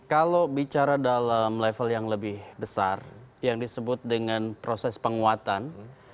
kalau bicara dalam level yang lebih besar yang disebut dengan proses penguatan